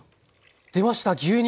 出ました牛乳！